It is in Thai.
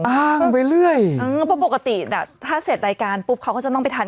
ไปเรื่อยเออเพราะปกติอ่ะถ้าเสร็จรายการปุ๊บเขาก็จะต้องไปทาน